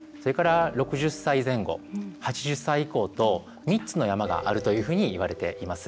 ２０歳から３０歳６０歳前後８０歳以降と３つの山があるというふうにいわれています。